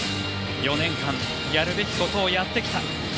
４年間やるべきことをやってきた。